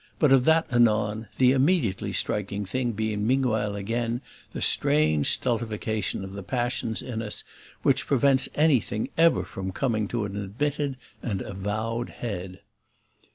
But of that anon; the IMMEDIATELY striking thing being meanwhile again the strange stultification of the passions in us, which prevents anything ever from coming to an admitted and avowed head.